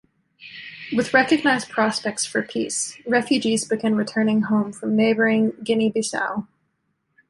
With recognized prospects for peace, refugees began returning home from neighboring Guinea-Bissau.